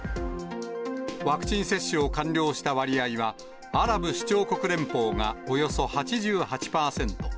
ワクチン接種を完了した割合は、アラブ首長国連邦がおよそ８８％。